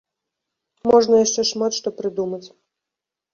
Можна яшчэ шмат што прыдумаць.